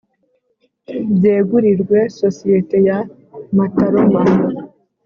byegurirwe Sosiyete ya mataroma